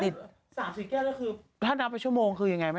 ๓๐แก้วแล้วคือถ้านับไปชั่วโมงคือยังไงแม่